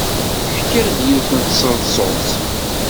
Ḥkiɣ-d yiwet n tseḍsut.